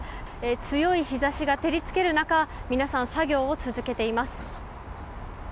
強い日差しが照り付ける中皆さん作業を続けています。